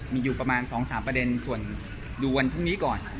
มีอยู่ประมาณ๒๓ประเด็นส่วนดูวันพรุ่งนี้ก่อน